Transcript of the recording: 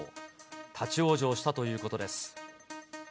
立往生したということです。